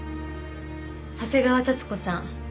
長谷川多津子さん。